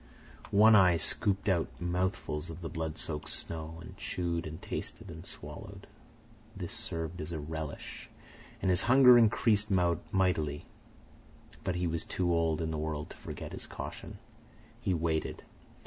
One Eye scooped out mouthfuls of the blood soaked snow, and chewed and tasted and swallowed. This served as a relish, and his hunger increased mightily; but he was too old in the world to forget his caution. He waited.